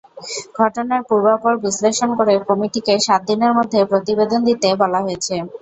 ঘটনার পূর্বাপর বিশ্লেষণ করে কমিটিকে সাত দিনের মধ্যে প্রতিবেদন দিতে বলা হয়েছে।